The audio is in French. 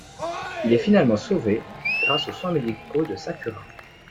Il est finalement sauvé grâce aux soins médicaux de Sakura.